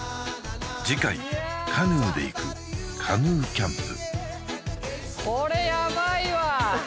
次回カヌーで行くカヌーキャンプ